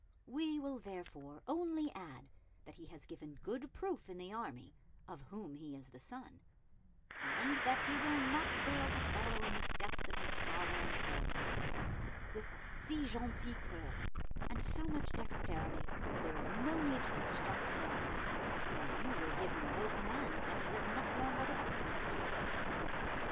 "We will therefore only add that he has given good proof in the army of whom he is the son; and that he will not fail to follow in the steps of his father and forefathers, with si gentil cœur and so much dexterity that there is no need to instruct him in aught, and you will give him no command that he does not know how to execute."